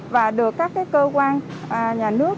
và được các cơ quan nhà nước